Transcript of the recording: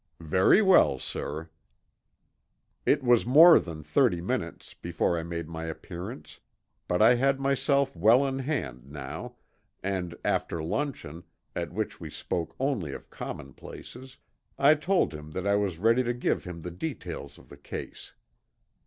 "Very well, sir." It was more than thirty minutes before I made my appearance, but I had myself well in hand now and after luncheon, at which we spoke only of common places, I told him that I was ready to give him the details of the case.